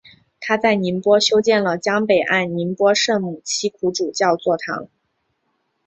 他在宁波修建了江北岸宁波圣母七苦主教座堂。